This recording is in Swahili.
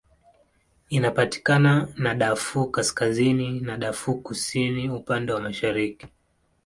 Inapakana na Darfur Kaskazini na Darfur Kusini upande wa mashariki.